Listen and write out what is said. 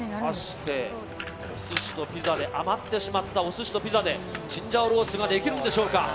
果たして、余ってしまったお寿司とピザでチンジャオロースができるんでしょうか。